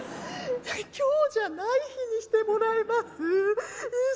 「今日じゃない日にしてもらえます？